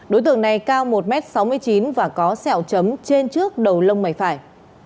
đối tượng này cao một m sáu mươi chín và có sẹo chấm trên trước đầu lông mày phải